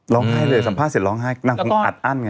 ร้องไห้เลยสัมภาษณ์เสร็จร้องไห้นางคงอัดอั้นไง